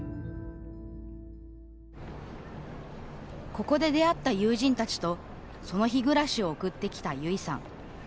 ここで出会った友人たちとその日暮らしを送ってきたゆいさん。